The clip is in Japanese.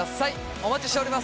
お待ちしております。